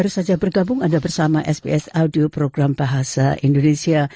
sps audio program bahasa indonesia